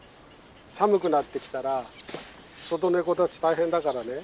寒くなってきたら外ネコたち大変だからね